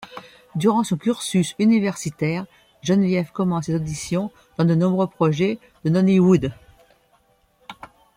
Durant son cursus universitaire, Genevieve commence les auditions, dans de nombreux projets de Nollywood.